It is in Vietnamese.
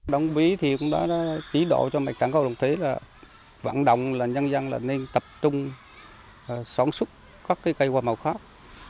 đồng bí thì cũng đã chỉ độ cho mạch tảng cầu đồng thế là vận động là nhân dân là nên tập trung sản xuất các cây hoa màu khác